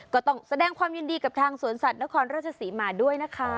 ก็ต้องแสดงความยินดีกับทางสวนสัตว์นครราชศรีมาด้วยนะคะ